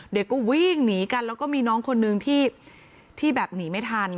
เด็กก็วิ่งหนีกันแล้วก็มีน้องคนนึงที่แบบหนีไม่ทัน